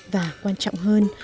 và quan trọng hơn